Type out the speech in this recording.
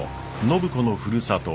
暢子のふるさと